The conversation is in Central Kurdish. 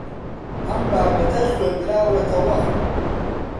ئەم بابەتە خوێندراوەتەوە.